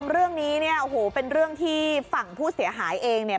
เรื่องนี้เนี่ยโอ้โหเป็นเรื่องที่ฝั่งผู้เสียหายเองเนี่ย